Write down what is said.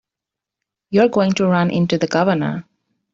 You're going to run into the Governor.